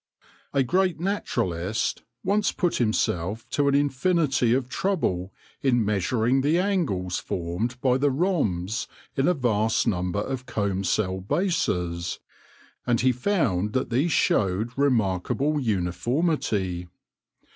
A great naturalist once put him self to an infinity of trouble in measuring the angles formed by the rhombs in a vast number of comb cell bases, and he found that these showed remark able uniformity.